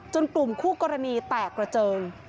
กลุ่มคู่กรณีแตกระเจิง